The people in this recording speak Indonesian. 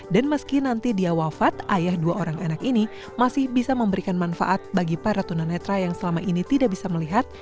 dan meski nanti dia wafat ayah dua orang anak ini masih bisa memberikan manfaat bagi para tunanetra yang selama ini tidak bisa melihat